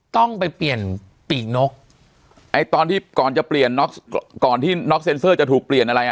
ต้องไปเปลี่ยนปีกนกไอ้ตอนที่ก่อนจะเปลี่ยนน็อกก่อนที่น็อกเซ็นเซอร์จะถูกเปลี่ยนอะไรอ่ะ